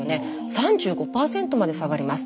３５％まで下がります。